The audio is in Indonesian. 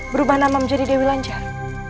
berubah nama menjadi dewi lancar